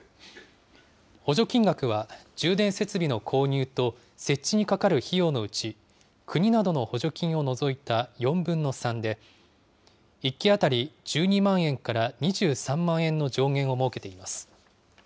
補助金額は、充電設備の購入と設置にかかる費用のうち、国などの補助金を除いた４分の３で、１基当たり１２万円から２３万円の上限を設けています。